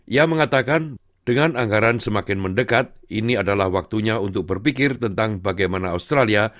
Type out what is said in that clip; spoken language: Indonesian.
ia mengatakan dengan anggaran semakin mendekat ini adalah waktunya untuk berpikir tentang bagaimana australia